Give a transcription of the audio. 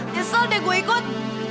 nyesel deh gue ikut